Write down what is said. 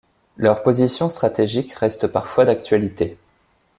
Leurs positions stratégique restent parfois d'actualité.